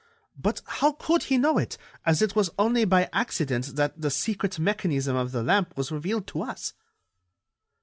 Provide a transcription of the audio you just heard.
But how could he know it, as it was only by accident that the secret mechanism of the lamp was revealed to us."